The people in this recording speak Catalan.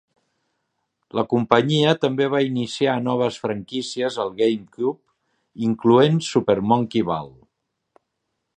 La companyia també va iniciar noves franquícies al GameCube, incloent "Super Monkey Ball".